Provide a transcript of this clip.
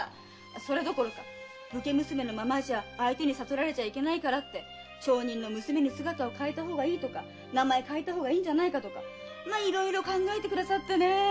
それどころか武家娘のままじゃ相手に悟られちゃいけないからって町人の娘に姿を変えたほうがいいとか名前変えたほうがいいんじゃないかとかまっいろいろ考えてくださってねぇ。